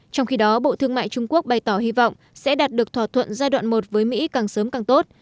trong khi đó bộ thương mại trung quốc bày tỏ hy vọng sẽ đạt được thỏa thuận giai đoạn một với mỹ càng sớm càng tốt